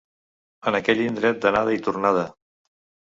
En aquell indret d'anada i tornada.